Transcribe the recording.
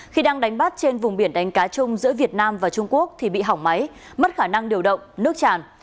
khi đang đánh bắt trên vùng biển đánh cá chung giữa việt nam và trung quốc thì bị hỏng máy mất khả năng điều động nước tràn